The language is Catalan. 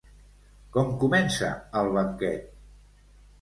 Com comença el "Banquet"?